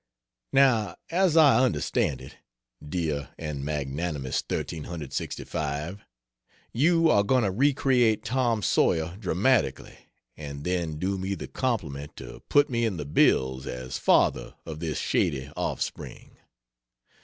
Now as I understand it, dear and magnanimous 1365, you are going to recreate Tom Sawyer dramatically, and then do me the compliment to put me in the bills as father of this shady offspring.